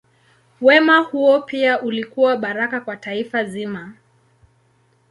Wema huo pia ulikuwa baraka kwa taifa zima.